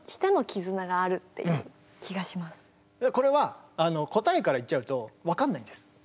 これは答えから言っちゃうと分かんないんです。